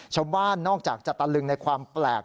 นอกจากจะตะลึงในความแปลก